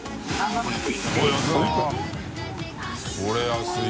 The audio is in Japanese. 安い。